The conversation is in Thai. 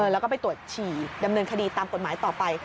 แล้วก็ไปตรวจฉี่ดำเนินคดีตามกฎหมายต่อไป